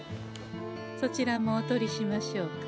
そちらもおとりしましょうか？